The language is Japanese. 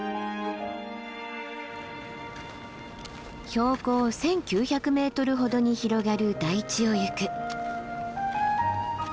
標高１，９００ｍほどに広がる台地を行く。